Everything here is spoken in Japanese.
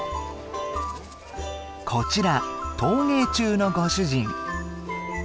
こちら陶芸中のご主人。